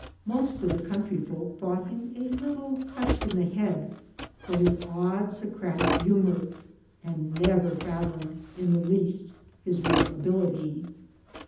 Most of the country folk thought him a little touched in the head, for his odd Socratic humour ; and never fathomed in the least his real ability.